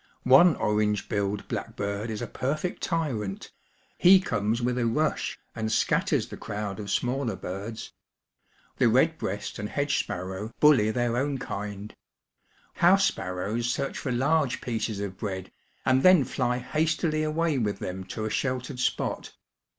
One orange billed blackbird is a perfect tyrant ; he comes with a rush and scatters the crowd of smaller birds. The redbreast and hedge sparrow WINTRY WEATHER. 471 bully their own kind. Honfle spanows searoh for large pieces of bread, and then fly hastily away with them to a sheltered spot.